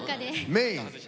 メイン。